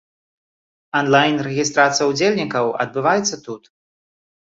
Анлайн-рэгістрацыя ўдзельнікаў адбываецца тут.